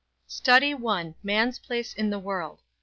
STUDY I MAN'S PLACE IN THE WORLD.